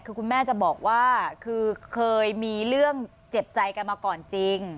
คือคุณแม่จะบอกว่าคือเคยมีเรื่องเจ็บใจกันมาก่อนจริง